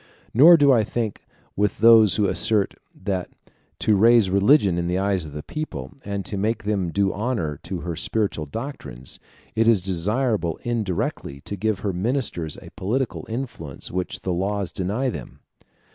Nor do I think with those who assert, that to raise religion in the eyes of the people, and to make them do honor to her spiritual doctrines, it is desirable indirectly to give her ministers a political influence which the laws deny them.